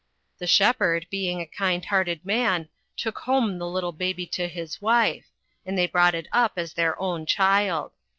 The shepherd, being a kind hearted man, took home the little baby to his wife, and they brought it up as their own child.